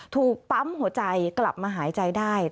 ถูกปั๊มหัวใจกลับมาหายใจได้